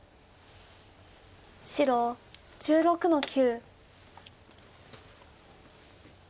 白１６の九。